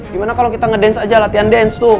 gimana kalau kita ngedance aja latihan dance tuh